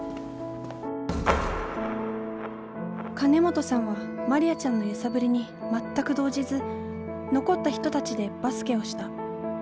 金本さんはマリアちゃんの揺さぶりに全く動じず残った人たちでバスケをした。